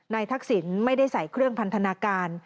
นายทักษิณภัยสิภัยไม่ได้ใส่เครื่องพันธนาการ